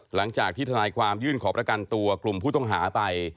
หลังจากที่ทนายความยื่นขอประกันตัวกลุ่มผู้ต้องหาไป